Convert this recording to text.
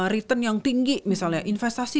return yang tinggi misalnya investasi